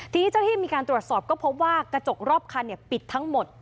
ทีนี้เจ้าที่มีการตรวจสอบก็พบว่ากระจกรอบคันปิดทั้งหมด